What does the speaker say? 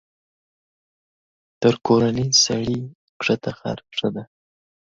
تر کورني سړي کښته خر ښه دى.